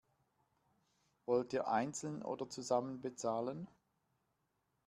Wollt ihr einzeln oder zusammen bezahlen?